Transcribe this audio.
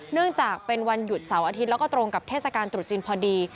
เนื่องจากเป็นวันหยุดเสาร์อาทิตย์แล้วก็ตรงกับเทศกาลตรุษจีนพอดี